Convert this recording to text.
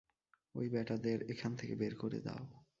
ঐ ব্যাটাদের এখান থেকে বের করে দাও!